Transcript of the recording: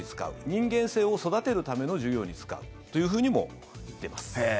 人間性を育てるための授業に使うというふうにも言ってます。